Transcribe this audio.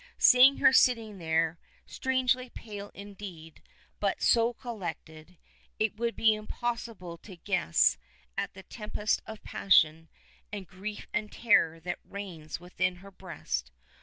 Seeing her sitting there, strangely pale indeed, but so collected, it would be impossible to guess at the tempest of passion and grief and terror that reigns within her breast.